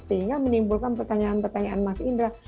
sehingga menimbulkan pertanyaan pertanyaan mas indra